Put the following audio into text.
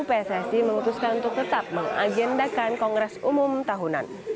pssi memutuskan untuk tetap mengagendakan kongres umum tahunan